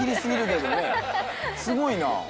すごいな。